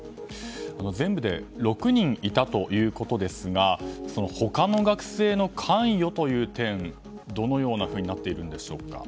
全部で６人いたということですが他の学生の関与という点はどうなっているんでしょうか。